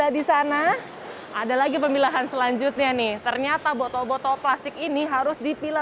di sana ada lagi pemilahan selanjutnya nih ternyata botol botol plastik ini harus dipilah